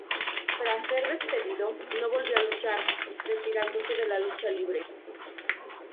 Tras ser despedido, no volvió a luchar, retirándose de la lucha libre.